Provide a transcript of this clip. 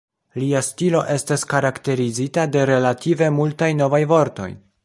Lia stilo estas karakterizita de relative multaj "novaj" vortoj.